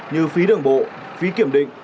như phí đường bộ phí kiểm định